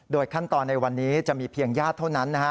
ขั้นตอนในวันนี้จะมีเพียงญาติเท่านั้นนะฮะ